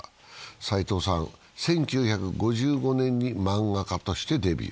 さいとうさん、１９５５年に漫画家としてデビュー。